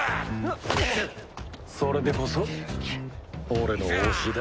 それでこそ俺の推しだ。